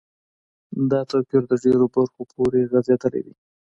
دا توپیر د ډیرو برخو پوری غځیدلی دی.